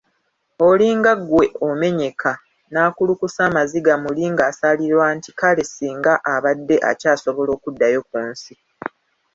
Olinga ggwe omenyeka, n’akulukusa amaziga muli ng'asaalirwa nti kale singa abadde akyasobola okuddayo ku nsi.